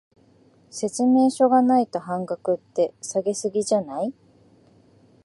説明書がないと半額って、下げ過ぎじゃない？